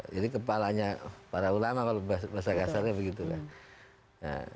jadi kepalanya para ulama bahasa kasarnya begitu kan